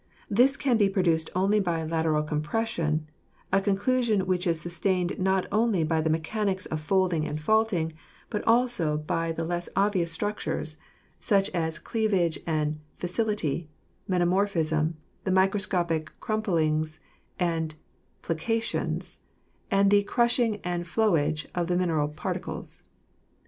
This can be produced only by lateral compression, a con clusion which is sustained not only by the mechanics of folding and faulting, but also by the less obvious struc PHYSIOGRAPHY 193 tures, such as cleavage and fissility, metamorphism, the microscopic crumplings and plications and the crushing and flowage of the mineral particles.